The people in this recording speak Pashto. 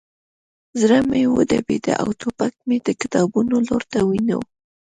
زړه مې وډبېده او ټوپک مې د کتابونو لور ته ونیو